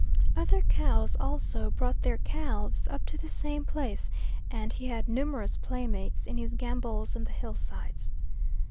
Other cows, also, brought their calves up to the same place, and he had numerous playmates in his gambols on the hillsides.